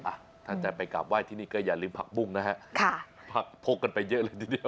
อ่ะถ้าจะไปกลับไห้ที่นี่ก็อย่าลืมผักบุ้งนะฮะค่ะผักพกกันไปเยอะเลยทีเดียว